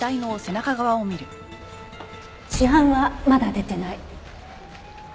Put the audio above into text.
死斑はまだ出てない。